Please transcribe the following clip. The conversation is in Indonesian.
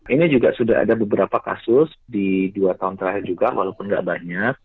ini juga sudah ada beberapa kasus di dua tahun terakhir juga walaupun tidak banyak